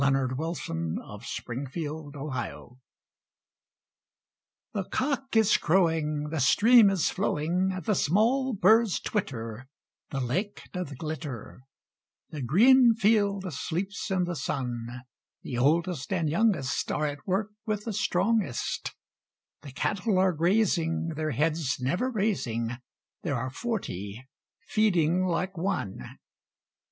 MARY HOWITT. THE MERRY MONTH OF MARCH The cock is crowing, The stream is flowing, The small birds twitter, The lake doth glitter, The green field sleeps in the sun; The oldest and youngest Are at work with the strongest; The cattle are grazing, Their heads never raising; There are forty feeding like one!